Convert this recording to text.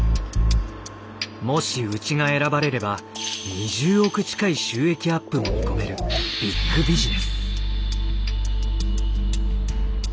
もしうちが選ばれれば２０億近い収益アップも見込めるビッグビジネス。